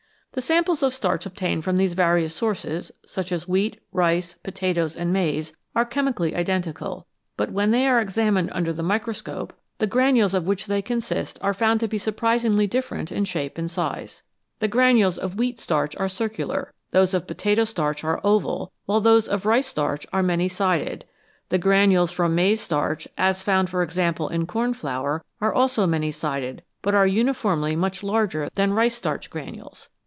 The samples of starch obtained from these various sources, such as wheat, rice, potatoes, and maize, are chemically identical, but when they are examined under the microscope, the granules of which they consist 265 THE ADULTERATION OF FOOD are found to be surprisingly different in shape and size. The granules of wheat starch are circular, those of potato starch are oval, while those of rice starch are many sided ; the granules from maize starch, as found, for example, in cornflour, are also many sided, but are uniformly much larger than rice starch granules.